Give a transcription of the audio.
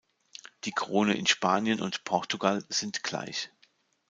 Die Krone in Spanien und Portugal sind gleich.